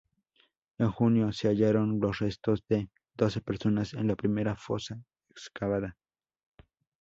En junio, se hallaron los restos de doce personas en la primera fosa excavada.